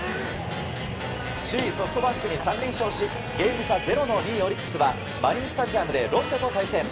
首位ソフトバンクに３連勝しゲーム差０の２位オリックスはマリンスタジアムでロッテと対戦。